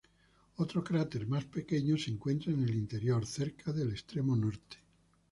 Otro cráter más pequeño se encuentra en el interior, cerca del extremo norte.